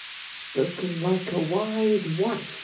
" Spoken like a wise wife